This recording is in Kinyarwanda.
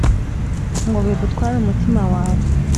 Ngo bigutware umutima wawe